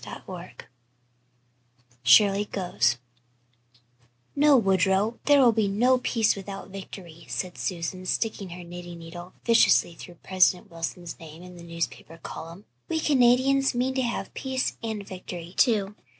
CHAPTER XXV SHIRLEY GOES "No, Woodrow, there will be no peace without victory," said Susan, sticking her knitting needle viciously through President Wilson's name in the newspaper column. "We Canadians mean to have peace and victory, too.